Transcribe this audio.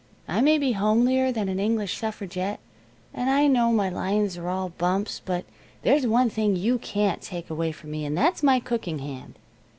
I may be homelier than an English suffragette, and I know my lines are all bumps, but there's one thing you can't take away from me, and that's my cooking hand.